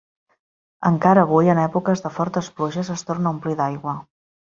Encara avui, en èpoques de fortes pluges, es torna a omplir d'aigua.